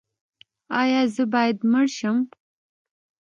ایا زه باید مړ شم؟